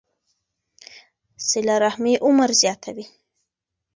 صله رحمي عمر زیاتوي.